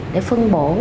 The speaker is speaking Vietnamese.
để phân bổ